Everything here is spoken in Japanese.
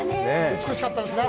美しかったですね。